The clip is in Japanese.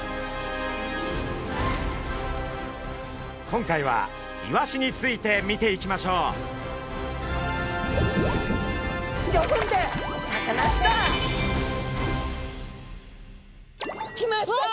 今回はイワシについて見ていきましょう。来ました！